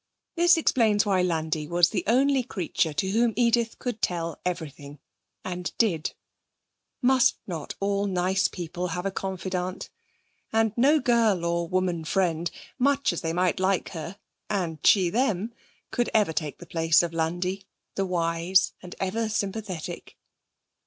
This explains why Landi was the only creature to whom Edith could tell everything, and did. Must not all nice people have a confidant? And no girl or woman friend much as they might like her, and she them could ever take the place of Landi, the wise and ever sympathetic.